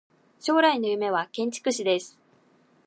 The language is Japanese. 将来の夢は建築士です。